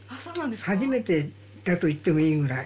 初めてだと言ってもいいぐらい。